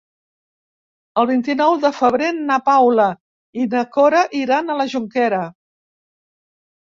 El vint-i-nou de febrer na Paula i na Cora iran a la Jonquera.